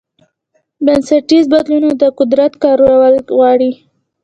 بنسټیز بدلون د قدرت کارول غواړي.